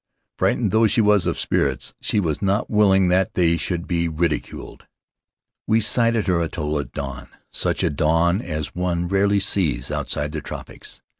Frightened though she was of spirits, she was not willing that they should be ridiculed. We sighted her atoll at dawn, such a dawn as one rarely sees outside the tropics.